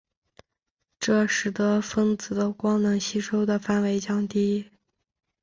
这使得分子的光能吸收的范围降低。